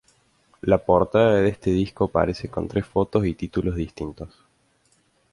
La portada de este disco aparece con tres fotos y títulos distintos.